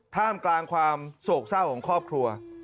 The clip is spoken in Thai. ท่ามกลางความโศกเศร้าของครอบครัว